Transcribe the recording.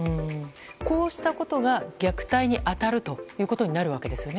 こうしたことが、虐待に当たることになるわけですよね。